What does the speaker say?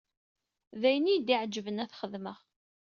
D ayen i y-iɛeǧben ad t-xedmeɣ.